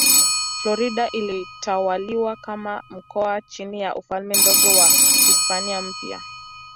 Florida ilitawaliwa kama mkoa chini ya Ufalme Mdogo wa Hispania Mpya.